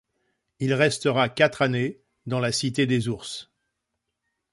Il restera quatre années dans la cité des ours.